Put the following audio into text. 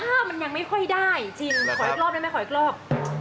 ถ้ามันยังไม่ค่อยได้จริงขออีกรอบได้ไหมขออีกรอบ